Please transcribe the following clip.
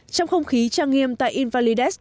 trong không khí trang nghiêm tại invalides